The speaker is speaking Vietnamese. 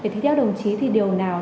thì theo đồng chí thì điều nào